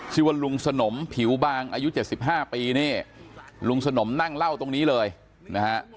ชื่อว่าลุงสนมผิวบางอายุ๗๕ปีนี่ลุงสนมนั่งเล่าตรงนี้เลยนะฮะ